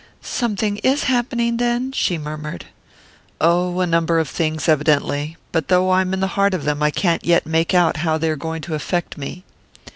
"Something is happening, then?" she murmured. "Oh, a number of things, evidently but though I'm in the heart of them, I can't yet make out how they are going to affect me."